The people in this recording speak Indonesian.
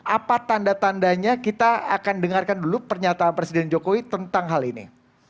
apa tanda tandanya kita akan dengarkan dulu pernyataan presiden jokowi tentang hal ini